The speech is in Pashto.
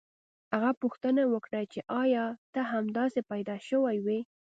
هغه پوښتنه وکړه چې ایا ته همداسې پیدا شوی وې